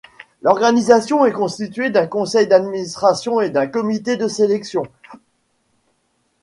L'organisation est constituée d'un conseil d'administration et d'un comité de sélection.